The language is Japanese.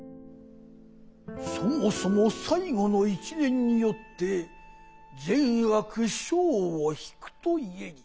「『そもそも最期の一念によって善悪生を手曳くといへり。